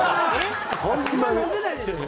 ホンマに。